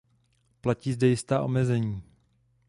Platí zde jistá omezení.